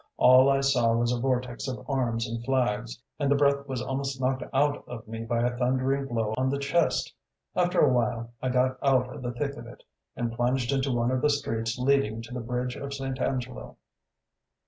All I saw was a vortex of arms and flags, and the breath was almost knocked out of me by a thundering blow on the chest. After a while, I got out of the thick of it, and plunged into one of the streets leading to the bridge of St. Angelo.